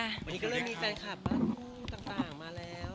วันนี้ก็เลยมีแฟนคลับบ้านต่างมาแล้ว